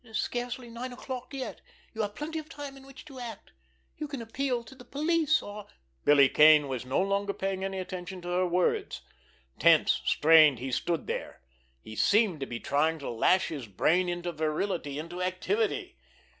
It is scarcely nine o'clock yet. You have plenty of time in which to act. You can appeal to the police, or——" Billy Kane was no longer paying any attention to her words. Tense, strained, he stood there. He seemed to be trying to lash his brain into virility, into activity.